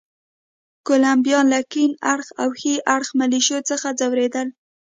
کولمبیایان له کیڼ اړخه او ښي اړخه ملېشو څخه ځورېدل.